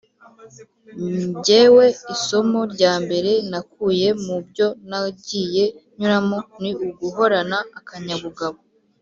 ngewe isomo rya mbere nakuye mu byo nagiye nyuramo ni uguhorana akanyabugabo